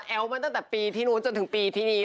กับเพลงที่มีชื่อว่ากี่รอบก็ได้